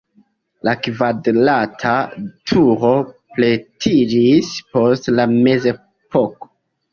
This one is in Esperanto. La kvadrata turo pretiĝis post la mezepoko.